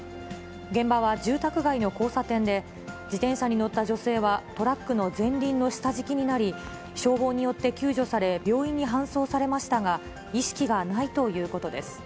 現場は住宅街の交差点で、自転車に乗った女性は、トラックの前輪の下敷きになり、消防によって救助され、病院に搬送されましたが、意識がないということです。